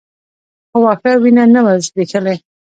خو واښه وينه نه وه ځبېښلې.